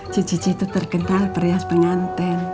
cucici tuh terkenal perias pengantin